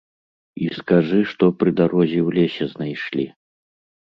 І скажы, што пры дарозе ў лесе знайшлі.